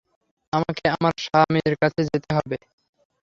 আমাকে আমার স্বামীর কাছে যেতে হবে।